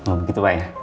oh begitu pak ya